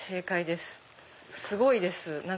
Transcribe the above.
すごいです。